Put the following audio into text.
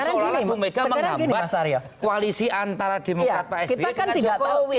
seolah olah ibu mega menghambat koalisi antara demokrat pak sby dengan jokowi